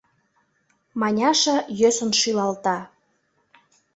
Маняша йӧсын шӱлалта.